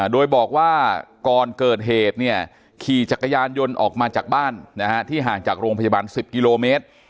โดยบอกว่าก่อนเกิดเหตุขี่จักรยานยนต์ออกมาจากบ้านที่ห่างจากโรงพยาบาล๑๐กิโลเมตร